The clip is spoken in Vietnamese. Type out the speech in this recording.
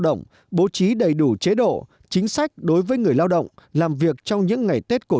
động bố trí đầy đủ chế độ chính sách đối với người lao động làm việc trong những ngày tết của